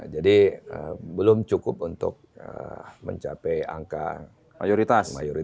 jadi belum cukup untuk mencapai angka mayoritas